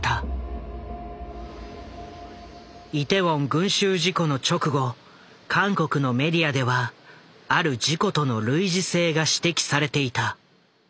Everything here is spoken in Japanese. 群集事故の直後韓国のメディアではある事故との類似性が指摘されていた。